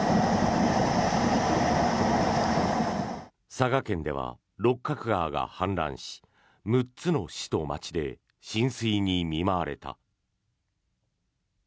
佐賀県では六角川が氾濫し６つの市と町で浸水に見舞われた。